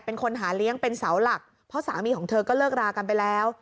เป็นคนหาเลี้ยงเป็นเสาหลักเพราะสามีของเธอก็เลิกรากันไปแล้ว